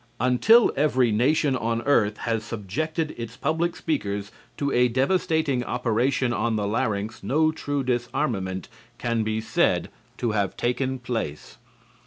Until every nation on earth has subjected its public speakers to a devastating operation on the larynx no true disarmament can be said to have taken place.